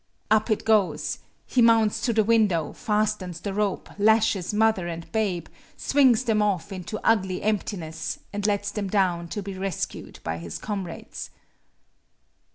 Up it goes. He mounts to the window, fastens the rope, lashes mother and babe, swings them off into ugly emptiness, and lets them down to be rescued by his comrades.